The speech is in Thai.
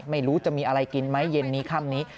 ไม่รู้จะมีอะไรกินไหมเย็นนี้ค่ำนี้